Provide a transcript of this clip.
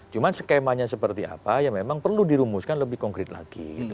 cuma skemanya seperti apa ya memang perlu dirumuskan lebih konkret lagi gitu